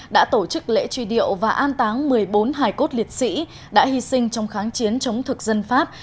đã tổ chức lễ truy điệu và an táng một mươi bốn hải cốt liệt sĩ đã hy sinh trong kháng chiến chống thực dân pháp